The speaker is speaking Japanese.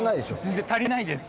全然足りないです。